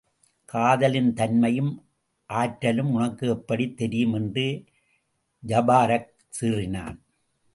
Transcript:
காதலின் தன்மையும் ஆற்றலும் உனக்கு எப்படித் தெரியும்? என்று ஜபாரக் சீறினான்.